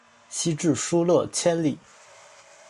西至疏勒千里。